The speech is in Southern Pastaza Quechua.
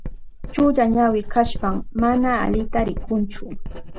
Chulla ñawi kashpan mana alita rikunchu.